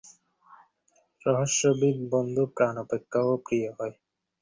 ব্যয় কমাতে প্রথম কার্যক্রমটা মন্ত্রীদের দিয়েই শুরু করছেন।